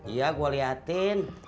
iya gua liatin